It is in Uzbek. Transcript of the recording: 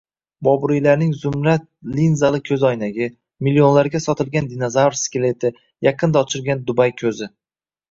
Boburiylarning zumrad linzali ko‘zoynagi, millionlarga sotilgan dinozavr skeleti, yaqinda ochilgan Dubay ko‘zi